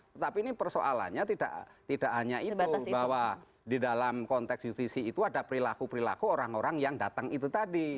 tetapi ini persoalannya tidak hanya itu bahwa di dalam konteks judisi itu ada perilaku perilaku orang orang yang datang itu tadi